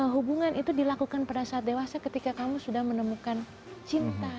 hubungan itu dilakukan pada saat dewasa ketika kamu sudah menemukan cinta